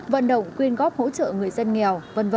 vận động quyên góp hỗ trợ người dân nghèo v v